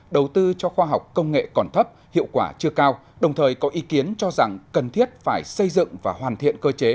đầu tư cho khoa học công nghệ còn thấp hiệu quả chưa cao đồng thời có ý kiến cho rằng cần thiết phải xây dựng và hoàn thiện cơ chế